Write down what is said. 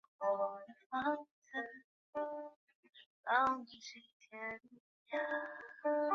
尼斯的教练称赞奥斯宾拿有成为一个好门将所有必要的条件。